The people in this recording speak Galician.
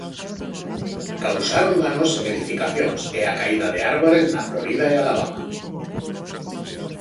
Causaron danos en edificacións e a caída de árbores na Florida e Alabama.